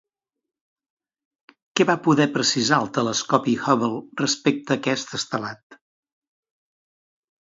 Què va poder precisar el telescopi Hubble respecte a aquest estelat?